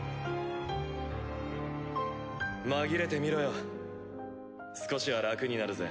紛れてみろよ少しは楽になるぜ。